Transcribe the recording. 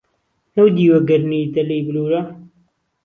نهودیوه گەرنی دهلێی بلوره